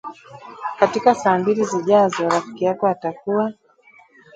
Katika saa mbili zijazo, rafiki yako atakuwa